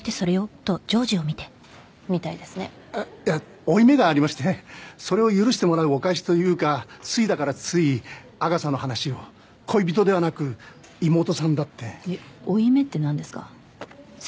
みたいですねあっいや負い目がありましてそれを許してもらうお返しというかすいだからついアガサの話を恋人ではなく妹さんだってえっ負い目ってなんですか？